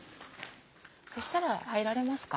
そしたら入られますか？